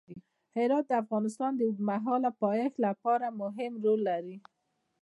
هرات د افغانستان د اوږدمهاله پایښت لپاره مهم رول لري.